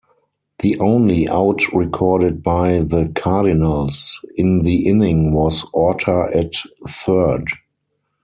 The only out recorded by the Cardinals in the inning was Orta at third.